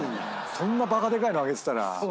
そんなバカでかいの上げてたら。